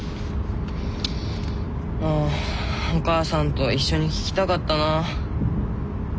ああお母さんと一緒に聴きたかったなあ。